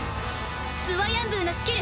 スワヤンブーのスキル！